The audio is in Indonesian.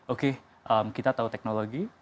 oke kita tahu teknologi